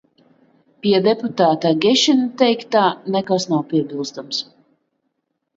Pie deputāta Agešina teiktā nekas nav piebilstams.